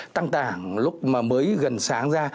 tăng tảng lúc mà mới gần sáng ra